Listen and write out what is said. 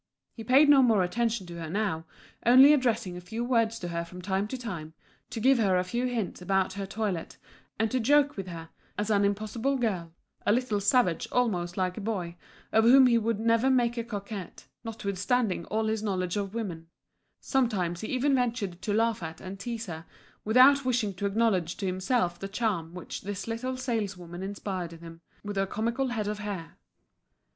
He paid no more attention to her now, only addressing a few words to her from time to time, to give her a few hints about her toilet, and to joke with her, as an impossible girl, a little savage almost like a boy, of whom he would never make a coquette, notwithstanding all his knowledge of women; sometimes he even ventured to laugh at and tease her, without wishing to acknowledge to himself the charm which this little saleswoman inspired in him, with her comical head of hair.